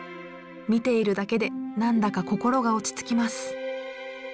見ているだけで何だか心が落ち着きます。